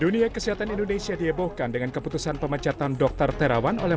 dunia kesehatan indonesia diebohkan dengan keputusan pemecatan dokter terawan oleh